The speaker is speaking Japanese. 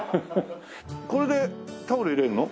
これでタオル入れるの？